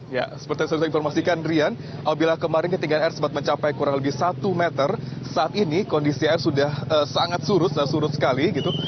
ya seperti yang saya informasikan rian apabila kemarin ketinggian air sempat mencapai kurang lebih satu meter saat ini kondisi air sudah sangat surut dan surut sekali gitu